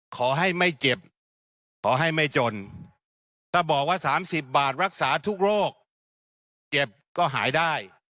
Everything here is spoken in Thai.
ขอให้ไม่เจ็บขอให้ไม่จนถ้าบอกว่า๓๐บาทรักษาทุกโรคเจ็บก็หายได้